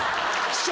師匠！